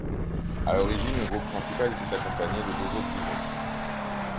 À l'origine, le groupe principal était accompagné de deux autres bisons.